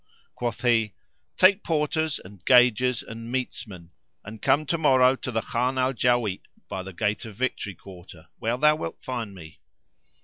Quoth he, "Take porters and gaugers and metesmen and come tomorrow to the Khan al Jawáli,[FN#513] by the Gate of Victory quarter where thou wilt find me."